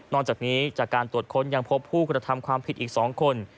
จากนี้จากการตรวจค้นยังพบผู้กระทำความผิดอีก๒คน